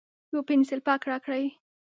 یو پینسیلپاک راکړئ